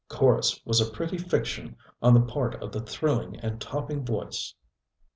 Chorus was a pretty fiction on the part of the thrilling and topping voice.